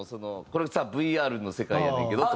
「これさＶＲの世界やねんけど」とか。